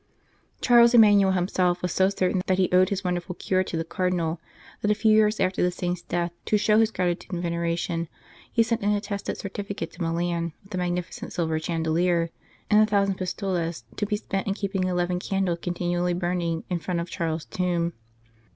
Charles Emmanuel himself was so certain that he owed his wonderful cure to the Cardinal, that a few years after the saint s death, to show his gratitude and veneration, he sent an attested certificate to Milan, with a magnificent silver chandelier, and a thousand pistoles to be spent in keeping eleven candles continually burning in front of Charles s tomb.